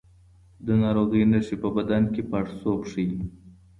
د ناروغۍ نښې په بدن کې پاړسوب ښيي.